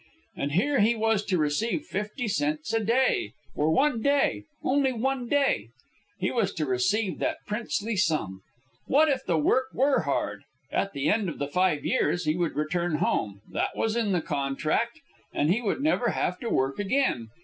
And here he was to receive fifty cents a day; for one day, only one day, he was to receive that princely sum! What if the work were hard? At the end of the five years he would return home that was in the contract and he would never have to work again.